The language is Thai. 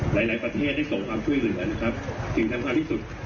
หลายหลายประเทศได้ส่งความช่วยเหลือนะครับสิ่งสำคัญที่สุด